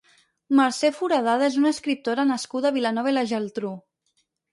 Mercè Foradada és una escriptora nascuda a Vilanova i la Geltrú.